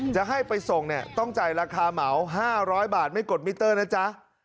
จะให้ไปส่งเนี่ยต้องจ่ายราคาเหมา๕๐๐บาทไม่กดมิเตอร์นะจ๊ะ